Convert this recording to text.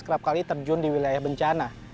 kerap kali terjun di wilayah bencana